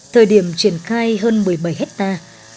thời điểm triển khai hơn một mươi bảy hectare